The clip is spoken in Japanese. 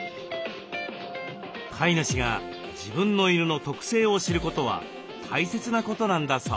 飼い主が自分の犬の特性を知ることは大切なことなんだそう。